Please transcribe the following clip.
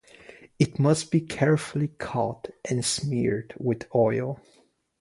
It must be carefully caught and smeared with oil.